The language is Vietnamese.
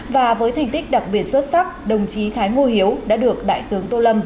và với thành tích đặc biệt xuất sắc đồng chí thái ngô hiếu đã được đại tướng tô lâm